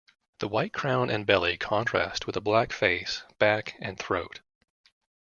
The white crown and belly contrast with the black face, back and throat.